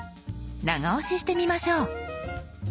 長押ししてみましょう。